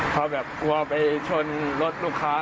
พอแบบกลัวไปชนรถลูกค้า